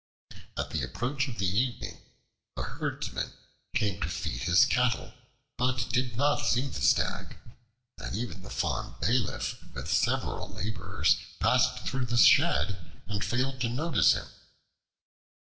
At the approach of the evening the herdsman came to feed his cattle, but did not see the Stag; and even the farm bailiff with several laborers passed through the shed and failed to notice him.